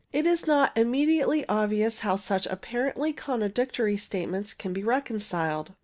It is not immediately obvious how such apparently contradictory statements can be reconciled.